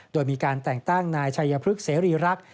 โดยมีการแต่งตั้งนายชัยพฤกษรีรักษ์